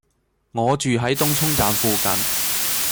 我住喺東涌站附近